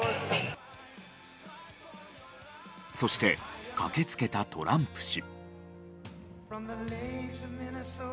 そして、駆け付けたトランプ氏。